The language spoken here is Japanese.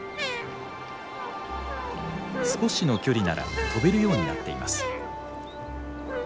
少しの距離なら飛べるようになっています。